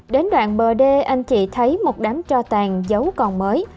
đến đoạn bờ đê anh chị thấy một đám cho tàn dấu còn mới